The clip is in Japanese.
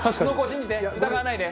疑わないで！